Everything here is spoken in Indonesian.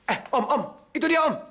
eh om om itu dia om